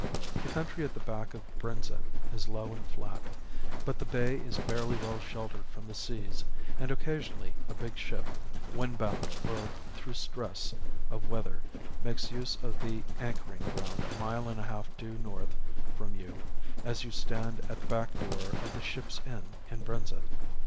The country at the back of Brenzett is low and flat, but the bay is fairly well sheltered from the seas, and occasionally a big ship, windbound or through stress of weather, makes use of the anchoring ground a mile and a half due north from you as you stand at the back door of the "Ship Inn" in Brenzett.